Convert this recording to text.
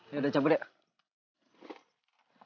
ya udah cabut deh